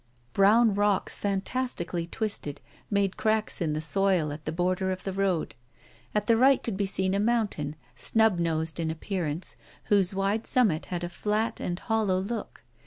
Brown rocks, fantastically twisted, made cracks in the soil at the border of the road. At the right could be seen a mountain, snub nosed in appearance, whose wide summit had a flat and hollow look.